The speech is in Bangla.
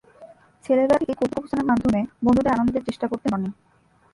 ছেলেবেলা থেকেই কৌতুক উপস্থাপনার মাধ্যমে বন্ধুদের আনন্দ দেয়ার চেষ্টা করতেন রনি।